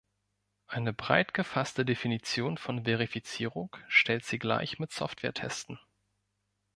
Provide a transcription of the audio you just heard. Eine breit gefasste Definition von Verifizierung stellt sie gleich mit Softwaretesten.